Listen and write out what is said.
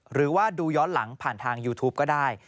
หรือว่าดูย้อนหลังผ่านทางยูทูปก็ได้